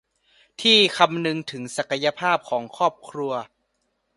ที่คำนึงถึงศักยภาพของครอบครัว